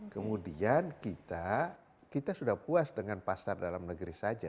kemudian kita sudah puas dengan pasar dalam negeri saja